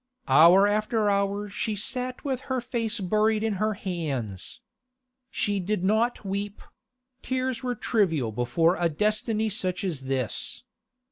Hour after hour she sat with her face buried in her hands. She did not weep; tears were trivial before a destiny such as this.